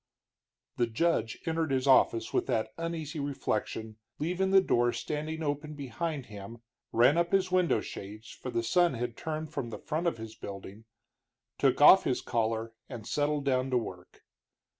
The judge entered his office with that uneasy reflection, leaving the door standing open behind him, ran up his window shades, for the sun had turned from the front of his building, took off his collar, and settled down to work.